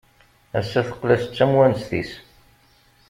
Ass-a teqqel-as d tamwanest-is.